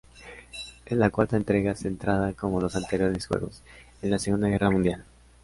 Es la cuarta entrega centrada como los anteriores juegos, en la Segunda Guerra Mundial.